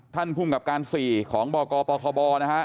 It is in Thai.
ท่านผู้กับการสี่ของปคบ